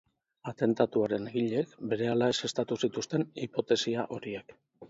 Atentatuaren egileek berehala ezeztatu zituzten hipotesia horiek.